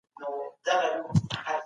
حکومت بايد د رعيیت ساتنه وکړي.